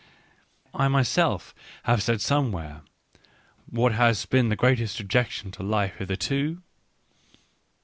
I myself have said somewhere — What has been the greatest objection to Life hitherto